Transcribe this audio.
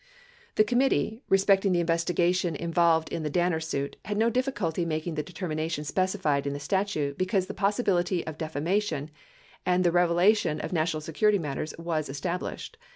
. The committee, respecting the investigation involved in the Danner suit, had no difficulty making the determination specified in the statute because the possibility of defamation and the revelation of national security matters was established.